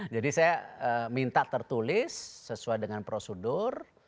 saya minta tertulis sesuai dengan prosedur